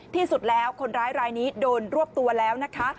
ที่สุดแล้วคนร้ายรายนี้โดนรวบตัวแล้วนะคะ